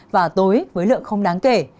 và tối với lượng không đáng kể